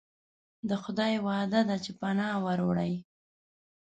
د خدای وعده ده چې پناه وروړي.